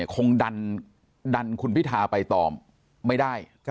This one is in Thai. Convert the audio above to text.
คงดันคุณพิธาไปต่อไม่ได้